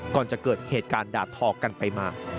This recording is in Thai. ก่อนจะเกิดเหตุการณ์ด่าทอกันไปมา